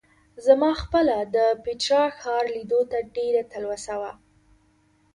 زما خپله د پېټرا ښار لیدلو ته ډېره تلوسه وه.